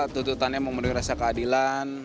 tuntutannya memenuhi rasa keadilan